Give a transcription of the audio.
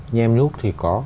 nhem nhúc thì có